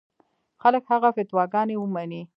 خلک هغه فتواګانې ومني.